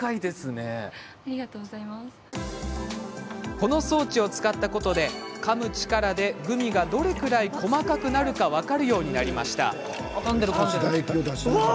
この装置を使ったことでかむ力でグミがどれくらい細かくなるか分かるようになりました。